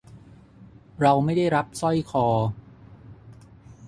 เราไม่ได้รับสร้อยคอ